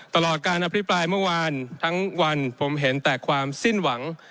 ตลอดการอภิปรายเมื่อวานทั้งวันผมเห็นแต่ความสิ้นหวัง